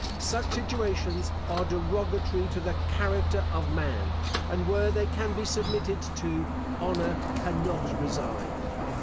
Such situations are derogatory to the character of man; and where they can be submitted to, honour cannot reside.